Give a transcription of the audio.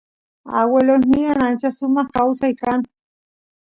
aguelosnyan ancha sumaq kawsay kan